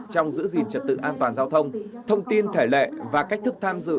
trong giữ gìn trật tự an toàn giao thông thông tin thể lệ và cách thức tham dự